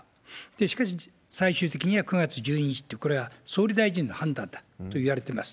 しかし、最終的には９月１２日と、これは総理大臣の判断だといわれてます。